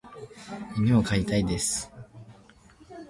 犬を飼いたいです。